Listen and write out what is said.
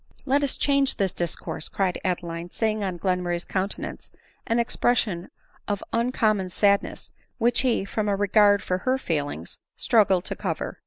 " Let us change this discourse," cried Adeline, seeing on Glenmurray's countenance an expression of uncom mon sadness, which he, from a regard to her feelings, struggled to cover.